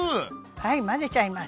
はい混ぜちゃいます。